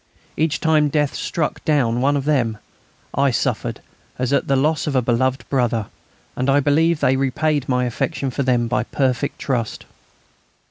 Each time death struck down one of them, I suffered as at the loss of a beloved brother, and I believe they repaid my affection for them by perfect trust.